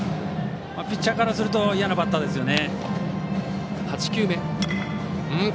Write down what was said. ピッチャーからすると嫌なバッターですね。